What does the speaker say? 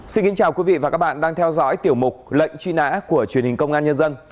xin kính chào quý vị và các bạn đang theo dõi tiểu mục lệnh truy nã của truyền hình công an nhân dân